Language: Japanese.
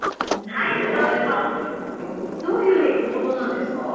どういうものなんですか？